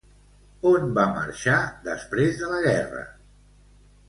On va marxar després de la guerra?